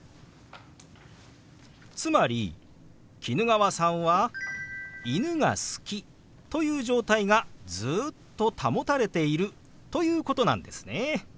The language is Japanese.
つまり衣川さんは「犬が好き」という状態がずっと保たれているということなんですね。